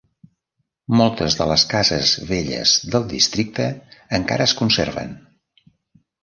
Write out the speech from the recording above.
Moltes de les cases velles del districte encara es conserven.